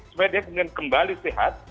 supaya dia kemudian kembali sehat